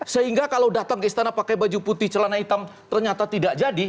sehingga kalau datang ke istana pakai baju putih celana hitam ternyata tidak jadi